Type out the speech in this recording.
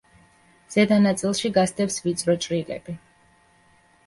ზედა ნაწილში, გასდევს ვიწრო ჭრილები.